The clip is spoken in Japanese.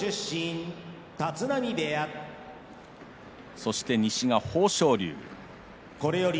そして、西が豊昇龍。